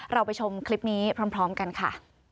เราไปชมคลิปนี้พร้อมกันค่ะ